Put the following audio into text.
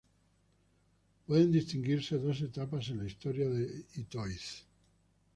Pueden distinguirse dos etapas en la historia de Itoiz.